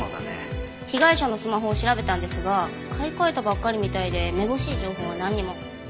被害者のスマホを調べたんですが買い替えたばっかりみたいでめぼしい情報はなんにも。